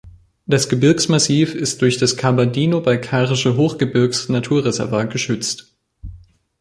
Das Gebirgsmassiv ist durch das Kabardino-Balkarische Hochgebirgs-Naturreservat geschützt.